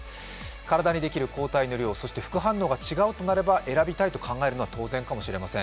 体にできる抗体の量、副反応が違うとなれば選びたいと考えるのは当然かもしれません。